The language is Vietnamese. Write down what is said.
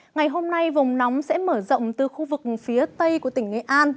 ngày hôm nay vùng nóng sẽ mở rộng từ khu vực phía tây của tỉnh nghệ an